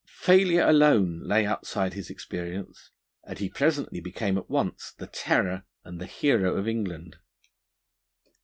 Failure alone lay outside his experience, and he presently became at once the terror and the hero of England.